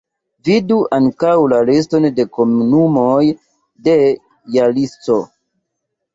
Vidu ankaŭ la liston de komunumoj de Jalisco.